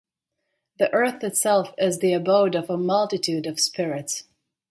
The earth itself is the abode of a multitude of spirits.